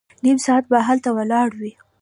نيم ساعت به هلته ولاړ وو.